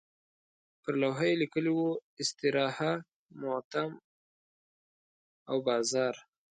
پر لوحه یې لیکلي وو استراحه، مطعم او بازار.